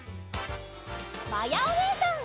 まやおねえさん！